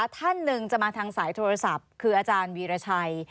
ท่านหนึ่งจะมาทางสายโทรศัพท์คืออาจารย์วีรชัย